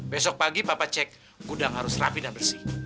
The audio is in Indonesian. besok pagi papa cek gudang harus rapi dan bersih